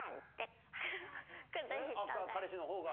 彼氏の方が。